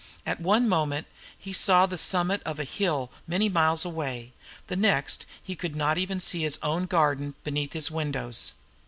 At one moment he saw the summit of a hill many miles away; the next he could not even see his own garden beneath his windows.